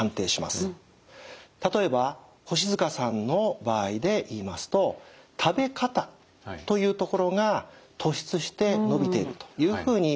例えば越塚さんの場合で言いますと「食べ方」というところが突出して伸びているというふうに判断します。